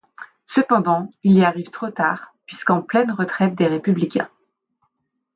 Cependant, il y arrive trop tard, puisqu'en pleine retraite des républicains.